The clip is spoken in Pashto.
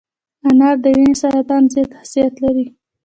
انار د وینې سرطان ضد خاصیت لري.